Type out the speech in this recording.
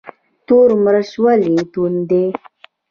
تور مرچ ولې توند دي؟